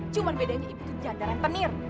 cuman bedanya ibu tuh janda yang tenir